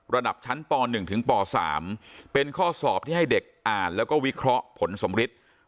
ระดับชั้นป๑ถึงป๓เป็นข้อสอบที่ให้เด็กอ่านแล้วก็วิเคราะห์ผลสมฤทธิ์